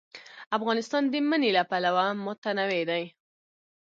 افغانستان د منی له پلوه متنوع دی.